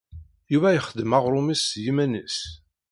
Yuba ixeddem-d aɣṛum-is s yiman-is.